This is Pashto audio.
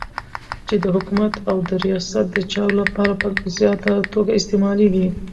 چی د حکومت او د ریاست دچارو لپاره په زیاته توګه استعمالیږی